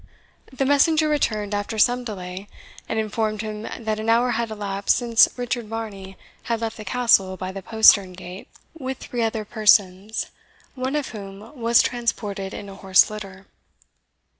The messenger returned after some delay, and informed him that an hour had elapsed since Sir Richard Varney had left the Castle by the postern gate with three other persons, one of whom was transported in a horse litter.